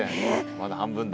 まだ半分だ。